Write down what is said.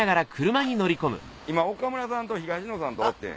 今岡村さんと東野さんとおって。